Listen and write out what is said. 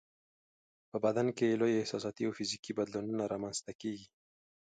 په بدن کې یې لوی احساساتي او فزیکي بدلونونه رامنځته کیږي.